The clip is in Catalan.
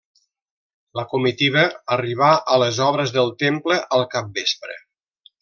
La comitiva arribà a les obres del Temple al capvespre.